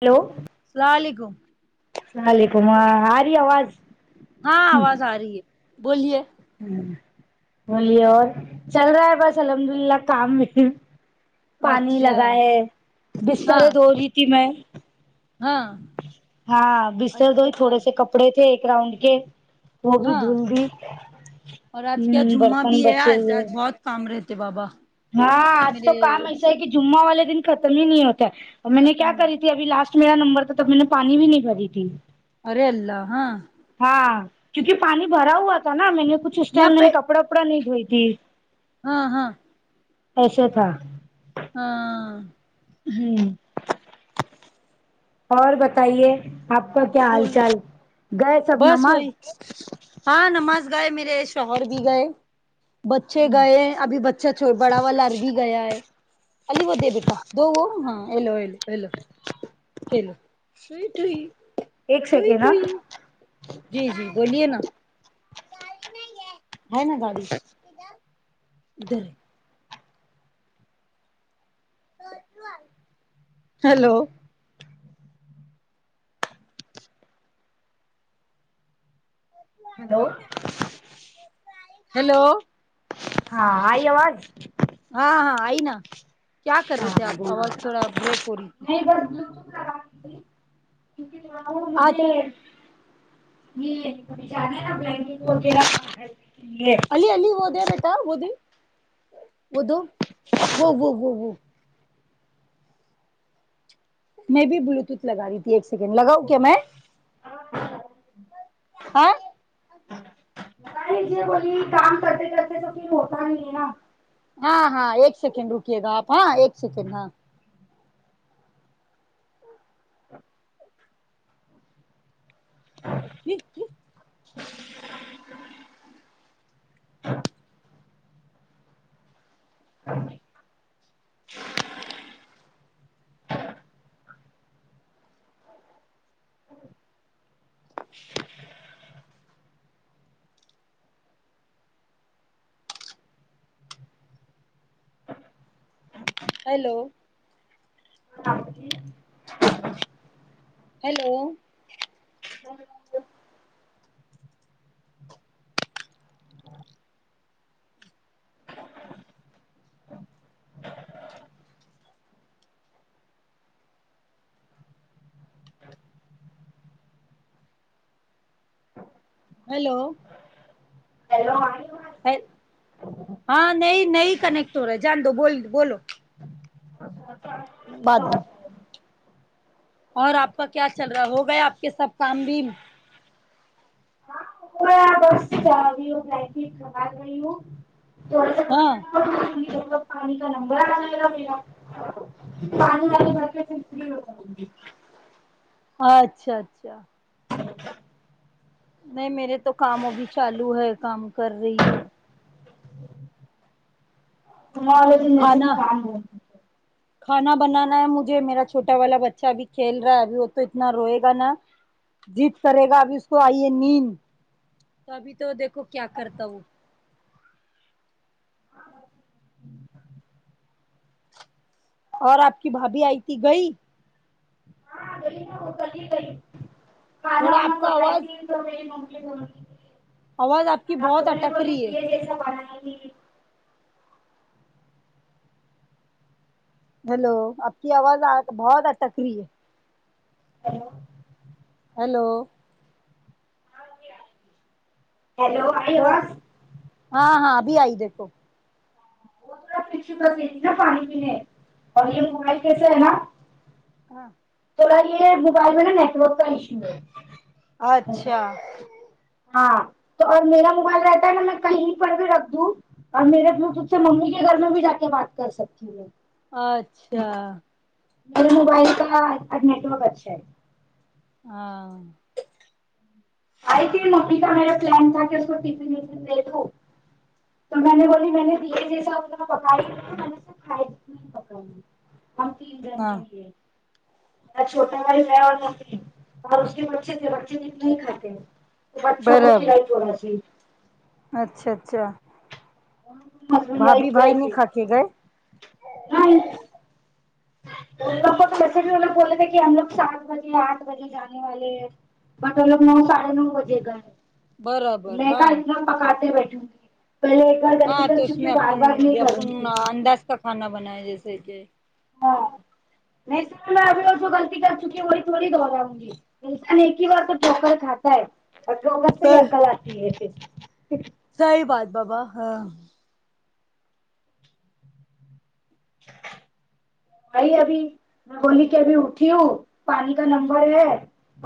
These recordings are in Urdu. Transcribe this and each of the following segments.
ہیلو وعلیکم اللام علیکم آری آواز ہاں آواز آ رہی ہے بولیے ہ بولیے اور چل رہا ہے بس الحمد للہ کام میں پانی اچھا لگا ہے بستر ہاں دھو رہی تھی میں ہاں ہاں بستر اچھا دوئی تھوڑے آج سے کپڑے تھے ایک راؤنڈ کے وہ بھی ہاں دھل دی اور آج کیا ہ جمعہ برتن بھی ہے بچے آج ہوئے آج بہت کام رہتے بابا ہاں آج میرے تو کام ایسا ہے کہ جمعہ والے دن ختم ہی نہیں ہوتا اور میں نے کیا کری ھی اھی لاسٹ میرا نمبر تھا تب میں نے پانی بھی نہیں بھری تھی ارے ال ہاں ہاں کیونکہ پانی بھرا ہوا تھا نا میں نے کچھ اس یہاں ٹائم میں پہ نے کپڑا وپڑا نہیں دھوئی تھی ہاں ہاں ایسے تھا ہاں [unintelligible] اور بتائیے آپ کا کیا حال بول چال گئے سب بس نماز وہی ہاں نماز گائے میرے شوہر بھی گئے بچے گئے ابھی ب اچھا چھو بڑا ول ار بھی گیا ہے الی وہ دے بیٹا دو وہ ہاں ہیلولولولو [unintelligible] ایک سیکنڈ ہ ٹوئی جی جی بولیے نا ہے نا گاڑی ڈر ہیلو ہیلو ہیلو ہاں آئی آواز ہاں ہاں آئی نا کیا کر رہے تھے ہاںاں آپ بو آواز تھوڑا بریک ہو رہی تھی نہیں ب کیونک آج مجھے یہ پ جان نا بلکٹ وغیرہ الی ا ہوود بیٹاود وہ وہ وہ وہ میں بھی بلوٹوت لگ رہی تھی ایک سیکنڈ لگاؤ کیا میں ہاں بتائی بولیے کام کرتے کرتے تو پھر ہوتا نہیں ہے ہاں ہاں ایک سیکنڈ رکیے گا آپ ہاں ایک سیکنڈ ہاں ہچ [unintelligible] ج [inaudible] [unintelligible] [unintelligible] ہیلو جی ہیلو ہاں ہیلو اللو م ہاں نہیں نہیں کنیکٹ ہو رہا ہے جان دو بول بولو باکی اور آپ کا کیا چل رہا ہے ہو گیا آپ کے سب کام بھی ی کمائی رہی ہ ہو ہاں تھا ب پانی کا نمبر آ ل گا میرا [unintelligible] اچھا اچھا نہیں میرے تو کام ابھی چالو ہے کام کر رہی ہوں تمہارا ج جسے بھی کھانا کام ہو کھانا بنانا ہے مجھے میرا چھوٹا والا بچہ ابھی کھیل رہا ہے ابھی وہ تو اتنا روئے گا نا جیت کرے گا اب اس کو آئیے نیند تو ابھی تو دیکھو کیا کرتا وہ اور آپ کی بھابھی آئی تھی گئی [unintelligible] [unintelligible] کھانا تھوڑا آپ [unintelligible] کا آواز تو آواز آپ کی بہت میں نے اٹک بولی رہی ہے یہ جیسا پالا نہیں ہیلو آپ کی آواز بہت ا ٹک رہی ہے ہلو ہیلو ہیلو آئی تھوڑا آواز ہاں ہاں اب آئی دیکھو وہ تھوڑا نا پانی پینے اور یہ موبائل کیسے ہے نا ہاں تولا گ موبائل میں ن نیٹورک تو ایو اچھا ہاں تو اور میرا موبائل رہتا ہے نا میں کہیں پر بھی رکھ دوں اور میرے پ سے ممی کے گھر میں بھی جا کے بات کر سکتی ہوں [unintelligible] میرے موبائل کا آج نیٹورک اچھا ہے ہاں آئی تھی ممی کا میرا پلان تھا کہ اس کو ٹفن وفن دے دو تو میں نے بولی میں نے دھیے جیسا پکائی نے کھائی پکائی ہم تیس دن ہاں کےے چھوٹا بائی ہے اور اور اس کے بچے سے بچے نہیں کھاتے بچوں کو برابر کھلائی تھوڑا سی اچھا اچھا ملہ بھابھی بھائی نہیں کھا کے گئے لوگ کو ویسے بھی ہمگ بولے تھے کہ ہم لوگ سات بجے آٹ بجے جانے والے ہیں بٹ لوگ نو ساڑھے نو بجے گئے برابر میں ہاں کہ ایک دم پکاتے بیٹھھی تی پہلے بار گتی ہاں کر تو اس چکی ہے میں بار بار نہیں اپن اپن کرک انداز کا کھانا بنایا جیسے کہ ہاں نہیں سر میں ابھی اور جو غلطی کر چکیوں وہی تھوڑی دوہراؤں گی انسان ایک ہی بار تو وکر کھاتا ہے اور وکر سے ہی عقل آتی ہے پھر سحی بات بابا ہاں بھائی ابھی میں بولی کے ابھی اٹھی ہوں پانی کا نمبر ہے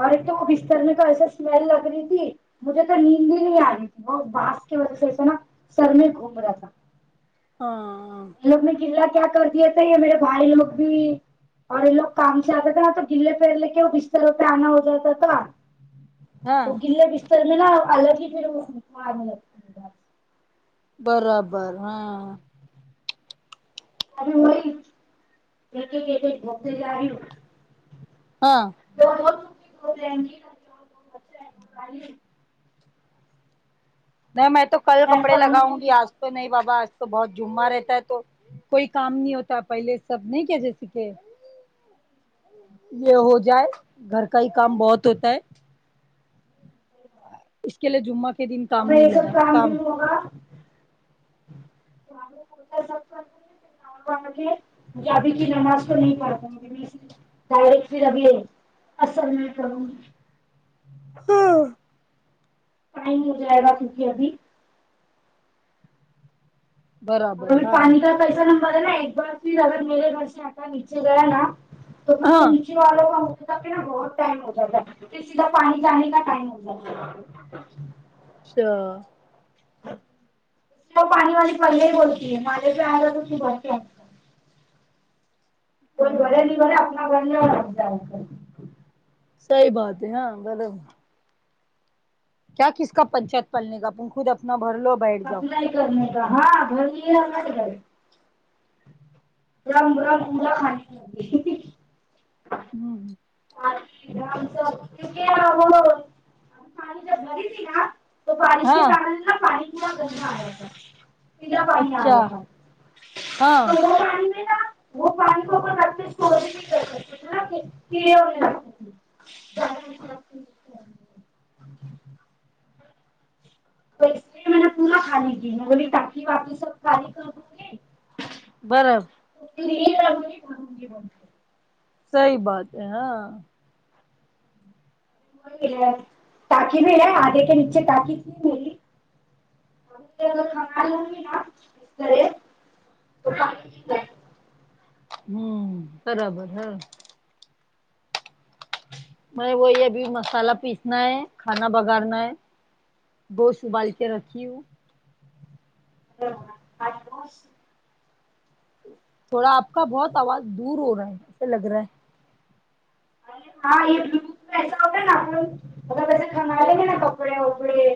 ارے تو وہ بسترنے کا ایسا اسمیل لگ رہی تھی مجھے تو نیندی نہیں آ رہی تھی وہ بانس کی وجہ سے ایسا نا سر میں گھوم رہا تھا ہاں لوگ نے کلا کیا کر دیا تھا میرے بھائی لوگ بھی اور یہ لوگ کام سے آتے تھے نا تو گلے پر لے کے وہ بستروں پہ آنا ہو جاتا تھا ہاں وہ گلے بستر میں نا الگ ہی پھر مارنے لگ برابر ہاں ایک ایک ایک ایک ڈتے لار ہاں دوں ہو جائیں گے نہیں میں تو کل کپڑے پانی بھی لگاؤں نہیں گی ہے آج تو نہیں بابا آج تو بہت جمہ رہتا ہے تو کوئی کام نہیں ہوتا پہلے سب نہیں کیا جی س کہ یہ ہو جائے گھر کا ہی کام بہت ہوتا ہے اس کے لیے جمعہ کے دن اب کام میں نہیں یہ سب لگا کام نہیں ہوگا تا سب کرتے پھر آ کے مھے ابھی کی نماز تو نہیں پڑ پائ گے ڈائریک پھر ابھی اصل میں کروں گی پائ نہیں ہو جائے گا کیونکہ ابھی اور برابر ا ہاں پانی کا پیسہ نمب رہا نا ایک بار پھر اگر میرے گھر سے آتا نیچے گیا نا تو پھر ہاں نیچے والے کو نا بہت ٹائم ہو جاتا ہے پھر سیدھا پانی جانے کا ٹائم ہو جاتا ہے اچھا [inaudible] وہ پانی والی پریا ہی بولتی ہے مالے پہ آ گا تو صبھرتے کوئی گھر ہاں نہیں گھر اپنا گگتا ہے صحیح بات ہے ہاں ملب کیا کس کا پنچات پلنے کا اپ خود اپنا بھر لو بیٹھ جاؤ اپلائی کرنے کا ہاں گھر ہی گ رام رام ملا خھانی ل ہوں گ کیک وہانی بری ت نا تو بارش کے ہاں کن نا پانی پورا گندا آیا س پھا پانی آ اچھا رہا تھا ہاں پانی ا وہ پانی کووپر ر کے چوری نہیں کر سکتے تھے [inaudible] تو اسے میں نے پورا خالی کی میں بولی تی واپی سب خالی کر دوں گی بر [inaudible] گی [unintelligible] صحی بات ہے ہاں وہ تااکی بھی رہ ہے آگے کے نیچے تاقی کی م کھان نا اسر توانی ہوں برابر ہاں م وہی ابھی مسالہ پیسنا ہے [unintelligible] کھانا بگارنا ہے گوشت ابال کے رکھی ہوں آ [unintelligible] تھوڑا آپ کا بہت آواز دور ہو رہا ہے ایسے لگ رہا ہے [inaudible] اے ہاں یہ بو ایسا ہوتا ہے نا آ [unintelligible] کسے کھمل گ نا کپڑے وپڑے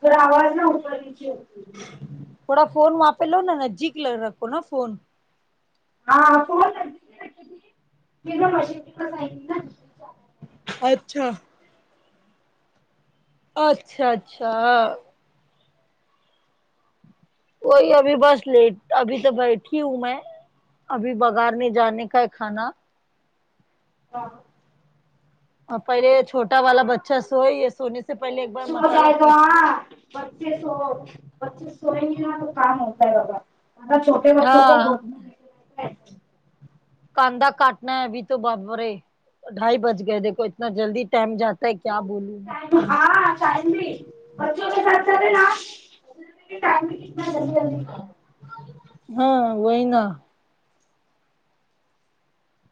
تو آواز نہا اپرنے ہوتی تھوڑا فون وہاں پہ لو نا نزدیک ل رکھو نا فون [unintelligible] ہاں ف کرتی م بس [unintelligible] اچھا اچھا اچھا وہی ابھی بس لیٹ ابھی تو بیٹھی ہوں میں ابھی بگار نہیں جانے کا ہے کھانا ہاں اور پہلے چھوٹا والا بچہ سوئے یہ سونے سے پہلے ایک بار مسالہ پیس لے پچیس سو پچیس سو میں م نا تو کام ہوتا ہے بابادا چھوٹا ے بچوں کو ہاں بنے [unintelligible] کنددا کٹنا ہے اب تو بابرے ڈھائی بج گئے دیکھو اتنا جلدی ٹائم جاتا ہے کیا بولوں ٹائم ہاں بچوں کے ساتھ سات ہے نپ [unintelligible] م کنا چ جی [unintelligible] ہاں وہئی نا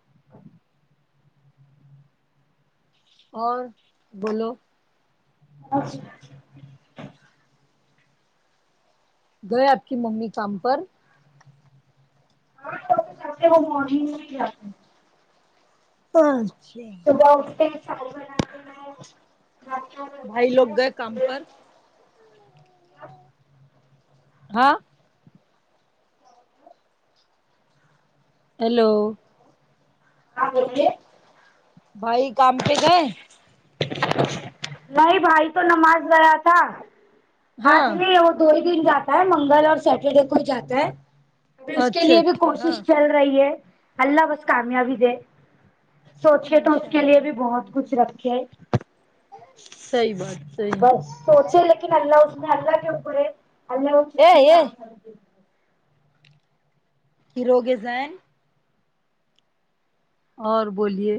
ا [inaudible] اور بولو اچھا [inaudible] گئے آپ کی مممی کام پر [unintelligible] ہاں وہ مگ میں ہی جاتے [inaudible] چھا [unintelligible] تو با ا چ بھائی لوگ گئے کام پر [unintelligible] ہاں ہیلو ہاں بوولے بھائی کام پہ گئے نہیں بھائی تو نماز گیا تھا آج ہاں نہیں ہوتا دو ہی دن جاتا ہے منگل اور سیٹرڈے کو جاتا ہے ا اس کے اچھا لیے بھی اچھا ہاں کوشش چل رہا رہی ہے اللہ بس کامیابی دے سوچے تو اس انشاء کے اللہ لیے بھی انشاء بہت اللہ کچھ رکھے صحیح بات صحیح بس سوچے لیکن اللہ اس نے اللہ کیوں پڑے ال نے [unintelligible] ا یہ [inaudible] ہیروگ زین [unintelligible] اور بولیے